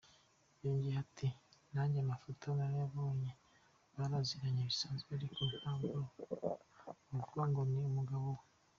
Yongeyeho ati "Nanjye amafoto narayabonye, baraziranye bisanzwe ariko ntabwo wavuga ngo ni umugabo we.